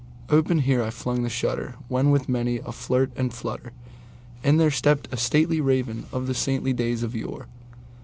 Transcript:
Open here I flung the shutter, when, with many a flirt and flutter, In there stepped a stately Raven of the saintly days of yore.